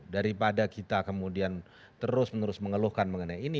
daripada kita kemudian terus menerus mengeluhkan mengenai ini